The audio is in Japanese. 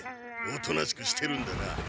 おとなしくしてるんだな。